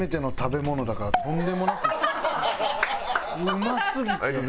うますぎて。